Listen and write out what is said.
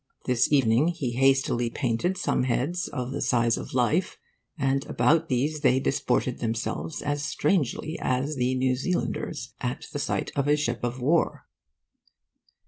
This evening he hastily painted some heads of the size of life, and about these they disported themselves as strangely as the New Zealanders at the sight of a ship of war.